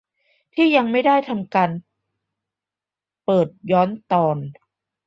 ที่ยังไม่ได้ทำเปิดย้อนตอน